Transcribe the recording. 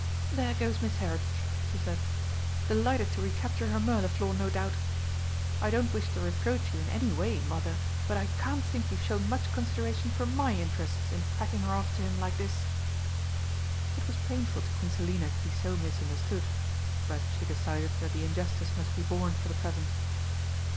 "There goes Miss Heritage!" she said. "Delighted to recapture her Mirliflor, no doubt! I don't wish to reproach you in any way, Mother, but I can't think you've shown much consideration for my interests in packing her off to him like this!" It was painful to Queen Selina to be so misunderstood, but she decided that the injustice must be borne for the present.